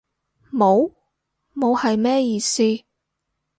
冇？冇係咩意思？